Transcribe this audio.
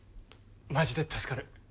マジで助かる。